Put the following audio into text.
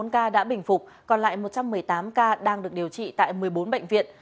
một trăm bốn mươi bốn ca đã bình phục còn lại một trăm một mươi tám ca đang được điều trị tại một mươi bốn bệnh viện